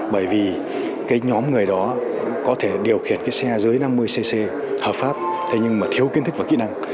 bởi vì cái nhóm người đó có thể điều khiển cái xe dưới năm mươi cc hợp pháp thế nhưng mà thiếu kiến thức và kỹ năng